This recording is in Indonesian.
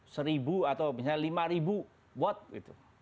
seribu atau misalnya lima ribu watt gitu